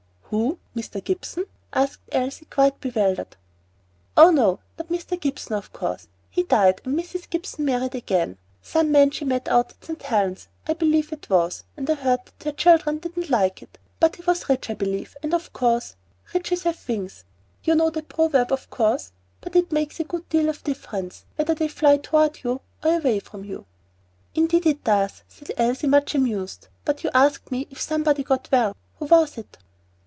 "Who, Mr. Gibson?" asked Elsie, quite bewildered. "Oh, no! not Mr. Gibson, of course. He died, and Mrs. Gibson married again. Some man she met out at St. Helen's, I believe it was, and I heard that her children didn't like it; but he was rich, I believe and of course Riches have wings, you know that proverb of course, but it makes a good deal of difference whether they fly toward you or away from you." "Indeed it does," said Elsie, much amused. "But you asked me if somebody got well. Who was it?"